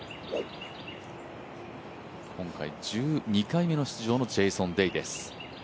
今回１２回目の出場のジェイソン・デイです。